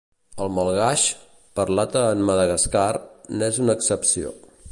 El malgaix, parlat en Madagascar, n'és una excepció.